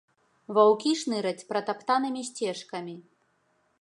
Ваўкі шныраць пратаптанымі сцежкамі.